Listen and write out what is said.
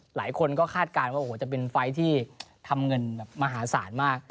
หลายคนก็คาดการณ์ว่าโอ้โหจะเป็นไฟล์ที่ทำเงินแบบมหาศาลมาก